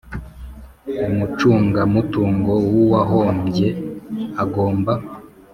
umucungamutungo w uwahombye agomba